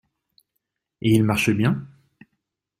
Et il marche bien?